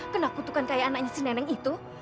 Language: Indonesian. kena kutukan kayak anaknya si nenek itu